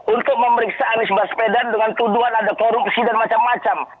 untuk memeriksa anies baswedan dengan tuduhan ada korupsi dan macam macam